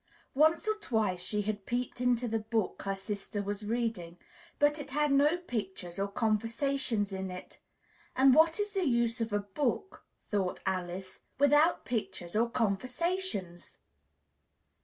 Once or twice she had peeped into the book her sister was reading, but it had no pictures or conversations in it, "and what is the use of a book," thought Alice, "without pictures or conversations?"